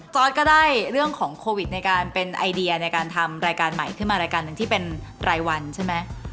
ก็ได้เรื่องของโควิดในการเป็นไอเดียในการทำรายการใหม่ขึ้นมารายการหนึ่งที่เป็นรายวันใช่ไหม